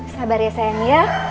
sabar ya sayang ya